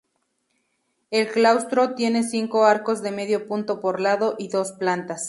El claustro tiene cinco arcos de medio punto por lado y dos plantas.